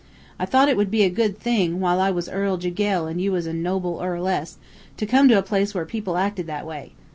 I thought it would be a good thing, while I was Earl Jiguel and you was a noble earl ess, to come to a place where people acted that way.